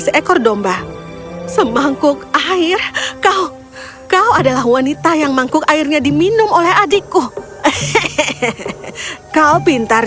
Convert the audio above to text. seekor domba semangkuk air kau kau adalah wanita yang mangkuk airnya diminum oleh adikku kau pintar